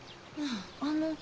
あの。